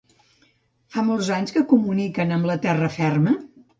Fa molts anys que comuniquen amb la terra ferma?